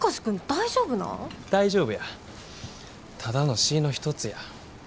大丈夫やただの詩ぃの一つや。